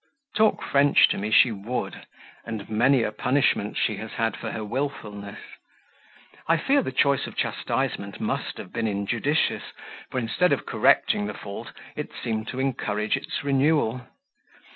Talk French to me she would, and many a punishment she has had for her wilfulness. I fear the choice of chastisement must have been injudicious, for instead of correcting the fault, it seemed to encourage its renewal.